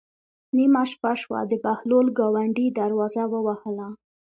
نیمه شپه شوه د بهلول ګاونډي دروازه ووهله.